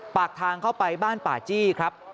ปากทางเข้าไปบ้านป่าจี้ครับ